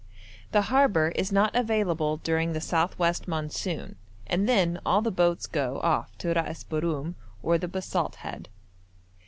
The harbour is not available during the south west monsoon, and then all the boats go off to Ras Borum or the Basalt Head.